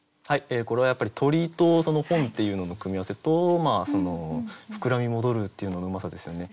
これはやっぱり鳥と本っていうのの組み合わせと「ふくらみ戻る」っていうののうまさですよね。